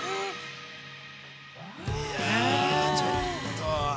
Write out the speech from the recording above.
◆いや、ちょっと。